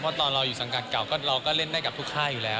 เพราะตอนเราอยู่สังกัดเก่าเราก็เล่นได้กับทุกค่ายอยู่แล้ว